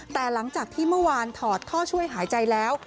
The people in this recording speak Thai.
แต่หลังจากที่เมื่อวานถอดท่อช่วยหายใจแล้ว